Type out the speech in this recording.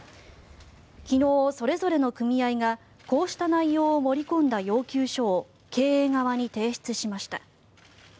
昨日、それぞれの組合がこうした内容を盛り込んだ要求書を経営側に提出しました。